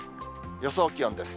予想気温です。